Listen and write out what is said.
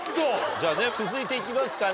じゃあね続いていきますかね。